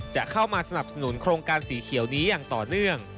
จะเข้ามาสนับสนุนโครงการสีเขียวนี้อย่างต่อเนื่อง